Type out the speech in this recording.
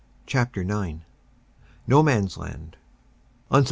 CHAPTER IX NO MAN S LAND ON Sept.